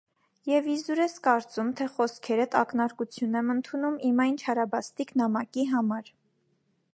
- Եվ իզուր ես կարծում, թե խոսքերդ ակնարկություն եմ ընդունում իմ այն չարաբաստիկ նամակի համար: